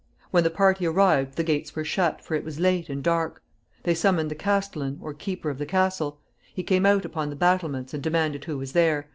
When the party arrived the gates were shut, for it was late and dark. They summoned the castellan, or keeper of the castle. He came out upon the battlements and demanded who was there.